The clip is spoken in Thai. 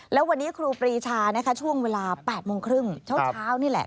แล้ววันนี้ครูปรีชานะคะช่วงเวลา๘โมงครึ่งเช้านี่แหละ